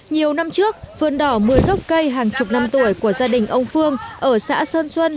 nhiều năm trước vườn đỏ một mươi gốc cây hàng chục năm tuổi của gia đình ông phương ở xã sơn xuân